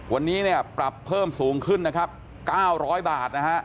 วันนี้เนี่ยปรับเพิ่มสูงขึ้นนะครับ๙๐๐บาทนะฮะ